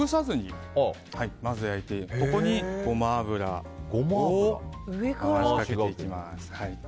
ここにごま油をかけていきます。